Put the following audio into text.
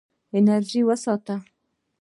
انرژي وساته.